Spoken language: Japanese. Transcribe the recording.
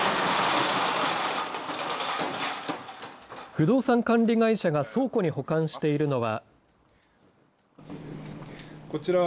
不動産管理会社が倉庫に保管しているのは。